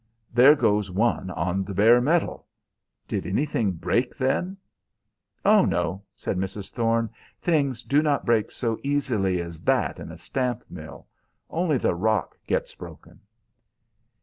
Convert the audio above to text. There goes one on the bare metal. Did anything break then?" "Oh, no," said Mrs. Thorne; "things do not break so easily as that in a stamp mill. Only the rock gets broken."